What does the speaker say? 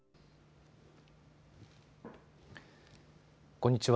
こんにちは。